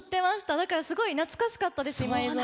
だから、すごい懐かしかったです。